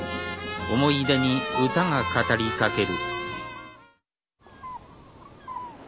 思い出に歌が語りかける。